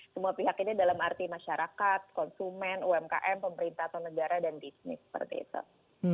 semua pihak ini dalam arti masyarakat konsumen umkm pemerintah atau negara dan bisnis seperti itu